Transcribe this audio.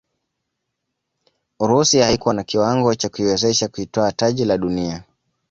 urusi haikuwa na kiwango cha kuiwezesha kutwaa taji la dunia